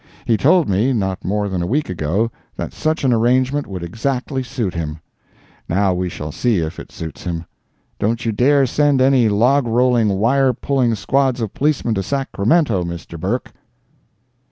He told me, not more than a week ago, that such an arrangement would exactly suit him. Now we shall see if it suits him. Don't you dare to send any log rolling, wire pulling squads of policemen to Sacramento, Mr. Burke.